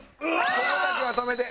ここだけは止めて。